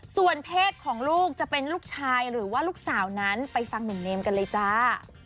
ส่วนเพศของลูกจะเป็นลูกชายหรือว่าลูกสาวนั้นไปฟังหนุ่มเนมกันเลยจ้า